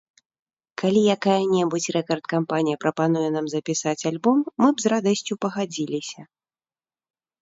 Калі якая-небудзь рэкард-кампанія прапануе нам запісаць альбом, мы б з радасцю пагадзіліся.